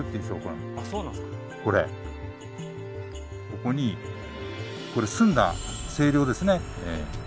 ここにこれ澄んだ清涼ですね。